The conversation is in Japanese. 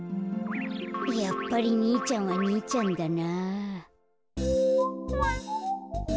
やっぱりにいちゃんはにいちゃんだな。